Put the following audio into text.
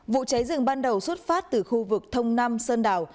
vụ cháy rừng ban đầu xuất phát từ khu vực thông nam sơn đảo